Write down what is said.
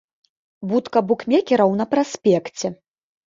Будка букмекераў на праспекце.